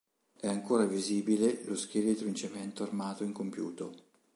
È ancora visibile lo scheletro in cemento armato incompiuto.